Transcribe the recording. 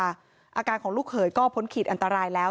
อาการของลูกเขยก็พ้นขีดอันตรายแล้ว